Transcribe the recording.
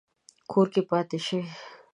کور کې پاتې شئ